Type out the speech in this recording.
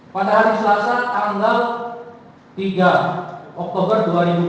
pada hari selasa tanggal tiga oktober dua ribu dua puluh